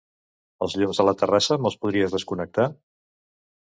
Els llums de la terrassa me'ls podries desconnectar?